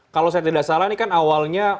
kalau saya tidak salah ini kan awalnya